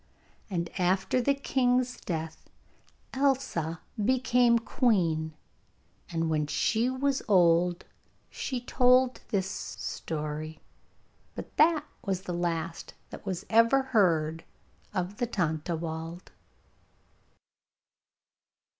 And after the king's death Elsa became queen, and when she was old she told this story. But that was the last that was ever heard of the Tontlawald.